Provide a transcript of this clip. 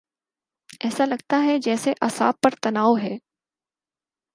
ایسا لگتاہے جیسے اعصاب پہ تناؤ ہے۔